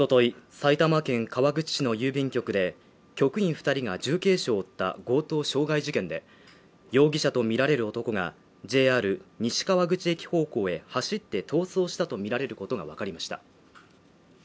埼玉県川口市の郵便局で局員二人が重軽傷を負った強盗傷害事件で容疑者とみられる男がＪＲ西川口駅方向へ走って逃走したとみられることが分かりました